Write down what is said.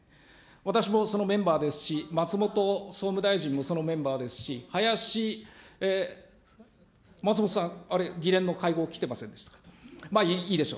私もそのメンバーですし、まつもと総務大臣もそのメンバーですし、林、まつもとさん、あれ、議連の会合来てませんでした、まあ、いいでしょう。